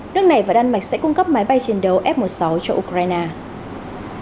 nước này và đan mạch sẽ cung cấp máy bay chiến đấu f một mươi sáu cho ukraine